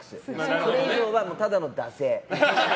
それ以上は、ただの惰性。